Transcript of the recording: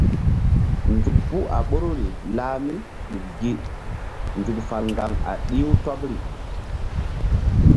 Nzuk puh a ɓoruri lah míɗuk gi nzuk fal ŋgaŋ a ɗih-u tɔbri.